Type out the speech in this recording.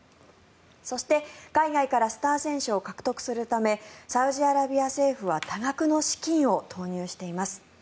そして海外からスター選手を獲得するためサウジアラビア政府は多額の資金を投入しています。